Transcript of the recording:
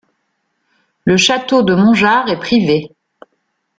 Le château de Montgeard est privé.